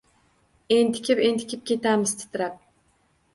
Entikib-entikib ketamiz titrab